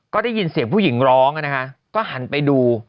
ก็ได้ยินเสียงผู้หญิงร้องนะคะก็หันไปดู